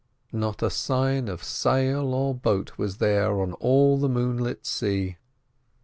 Not a sign of sail or boat was there on all the moonlit sea.